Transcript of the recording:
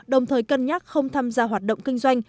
đồng thời cân nhắc không tham gia hoạt động kinh doanh